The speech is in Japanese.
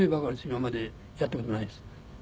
今までやった事ないです」